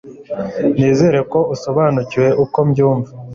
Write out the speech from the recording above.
Nizere ko usobanukiwe uko mbyumva